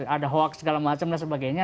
ada hoax segala macam dan sebagainya